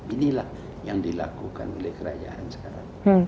inilah yang dilakukan oleh kerajaan sekarang